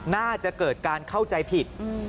น่าจะเกิดการเข้าใจผิด